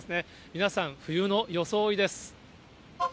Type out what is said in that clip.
皆さん、冬の装いです。